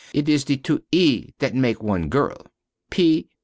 It is the two "e" that make one girl.